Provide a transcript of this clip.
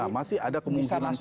masih ada kemungkinan fluktuasi